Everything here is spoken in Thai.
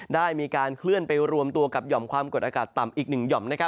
ได้มีการเคลื่อนไปรวมตัวกับหย่อมความกดอากาศต่ำอีก๑หย่อม